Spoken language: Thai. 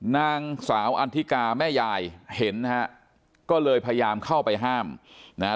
นางสาวอันทิกาแม่ยายเห็นนะฮะก็เลยพยายามเข้าไปห้ามนะฮะ